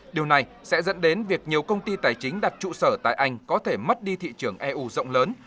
điều này sẽ dẫn đến việc nhiều công ty tài chính đặt trụ sở tại anh có thể mất đi thị trường eu rộng lớn